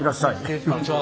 こんにちは。